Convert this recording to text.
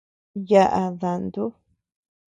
Yaʼa dantu.